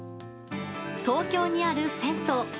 東京にある銭湯。